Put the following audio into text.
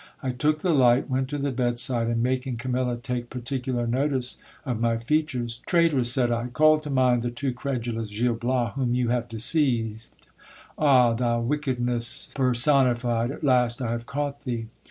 I took the light, went to the bed side, and, making Camilla take particular notice of my features, Traitress, said I, call to mind the too credulous Gil Bias whom you have deceived. Ah ! thou wickedness per sonified, at last I have caught thee.